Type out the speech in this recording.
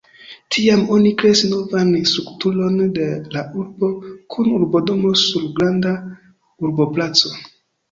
Tiam oni kreis novan strukturon de la urbo kun urbodomo sur granda urboplaco.